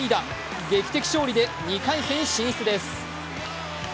劇的勝利で２回戦進出です。